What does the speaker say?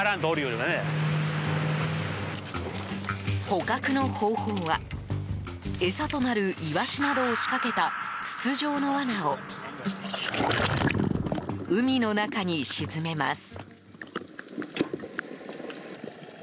捕獲の方法は餌となるイワシなどを仕掛けた筒状の罠を海の中に沈めます。